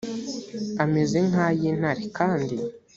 ameze nk ay intare kandi